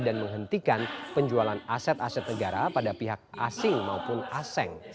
dan menghentikan penjualan aset aset negara pada pihak asing maupun aseng